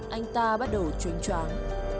anh ta bắt đầu chuyến tróng